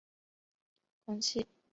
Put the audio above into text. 空气是指地球大气层中的气体混合。